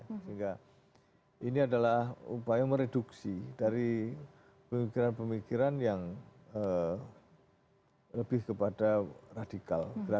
sehingga ini adalah upaya mereduksi dari pemikiran pemikiran yang lebih kepada radikal